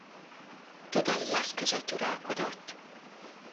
Tudhalijasz között uralkodott.